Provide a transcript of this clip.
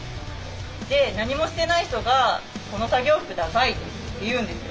で何もしてない人が「この作業服ダサい」って言うんですよ。